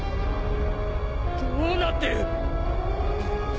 どうなってる！？